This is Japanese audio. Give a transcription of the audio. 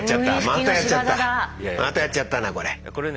またやっちゃったなこれ。